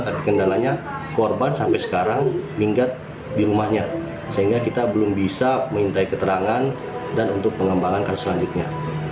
tapi kendalanya korban sampai sekarang minggat di rumahnya sehingga kita belum bisa mengintai keterangan dan untuk pengembangan kasus selanjutnya